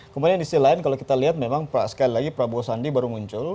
kemudian di sisi lain kalau kita lihat memang sekali lagi prabowo sandi baru muncul